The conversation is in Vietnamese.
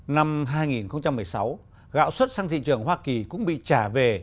năm hai nghìn một mươi sáu gạo xuất sang thị trường hoa kỳ cũng bị trả về